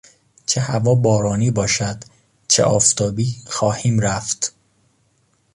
چه هوا بارانی باشد چه آفتابی خواهیم رفت.